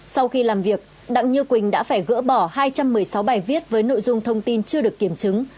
sau khi làm việc đặng như quỳnh đã phải gỡ bỏ hai trăm một mươi sáu bài viết với nội dung thông tin chưa được kiểm chứng